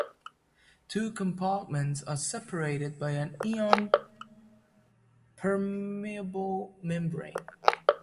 The two compartments are separated by an ion-permeable membrane.